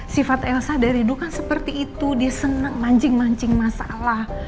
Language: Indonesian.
sifat elsa dari dulu kan seperti itu dia senang mancing mancing masalah